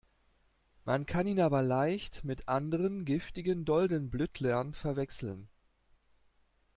Man kann ihn aber leicht mit anderen, giftigen, Doldenblütlern verwechseln.